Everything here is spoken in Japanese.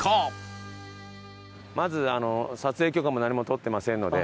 まず撮影許可も何も取ってませんので。